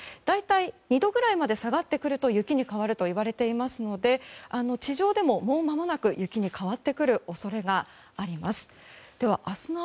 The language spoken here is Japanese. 大体、２度ぐらいまで下がってくると雪に変わるといわれていますので地上でも、もう間もなく雪に変わってくる恐れがあります。